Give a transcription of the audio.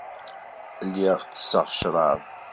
Lliɣ tesseɣ ccrab.